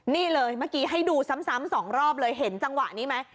นี่เลยเมื่อกี้ให้ดูซ้ำสองรอบเลยเห็นจังหวะนี้ไหม